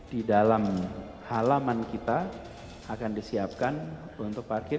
di dalam halaman kita akan disiapkan untuk parkir